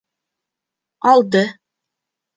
Алды.